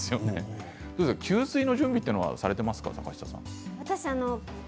給水の準備はされていますか？